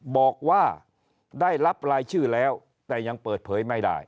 บอกว่าได้รับรายชื่อแล้วแต่ยังเปิดเผยไม่ได้